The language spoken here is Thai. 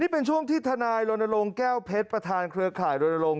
นี่เป็นช่วงที่ทนายโรนโลงแก้วเพชรประธานเครือข่ายโรนโลง